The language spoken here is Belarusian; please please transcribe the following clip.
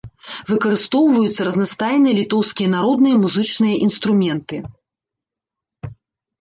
Выкарыстоўваюцца разнастайныя літоўскія народныя музычныя інструменты.